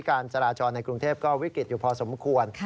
การจราจรในกรุงเทพก็วิกฤตอยู่พอสมควร